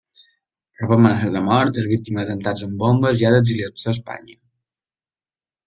Rep amenaces de mort, és víctima d'atemptats amb bombes, i ha d'exiliar-se a Espanya.